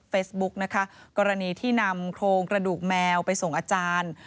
นะคะกรณีที่นำโครงกระดูกแมวไปส่งอาจารย์